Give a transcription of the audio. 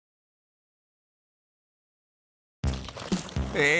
えっ！？